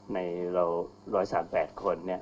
ในเรา๑๓๘คนนี้